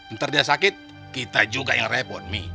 ntar dia sakit kita juga yang repot nih